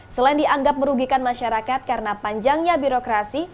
selain dianggap merugikan masyarakat karena panjangnya birokrasi